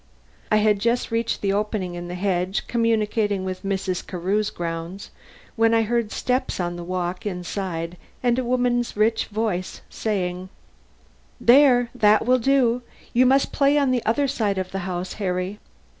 I had just reached the opening in the hedge communicating with Mrs. Carew's grounds, when I heard steps on the walk inside and a woman's rich voice saying: "There, that will do. You must play on the other side of the house, Harry.